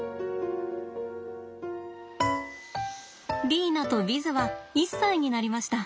リーナとヴィズは１歳になりました。